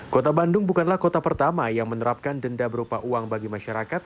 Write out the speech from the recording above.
kota bandung bukanlah kota pertama yang menerapkan denda berupa uang bagi masyarakat